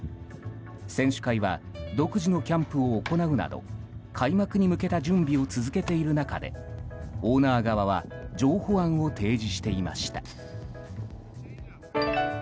選手会は独自のキャンプを行うなど開幕に向けた準備を続けている中でオーナー側は譲歩案を提示していました。